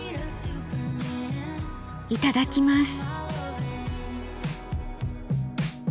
いただきます。